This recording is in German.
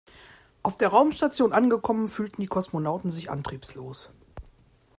Auf der Raumstation angekommen fühlten die Kosmonauten sich antriebslos.